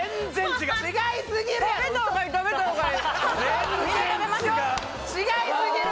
違いすぎる！